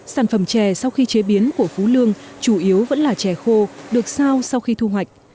sản phẩm chè sau khi chế biến của phú lương chủ yếu vẫn là chè khô được sao sau khi thu hoạch